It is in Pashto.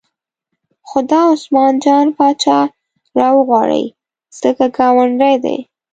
خو دا عثمان جان پاچا راوغواړئ ځکه ګاونډی دی.